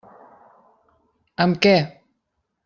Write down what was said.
Amb què?